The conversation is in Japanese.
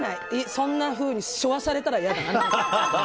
そんなふうに背負わされたらやだな。